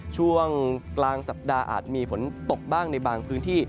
ช่วงกลางสัปดาห์อาจมีฝนตกบ้างในบางพื้นที่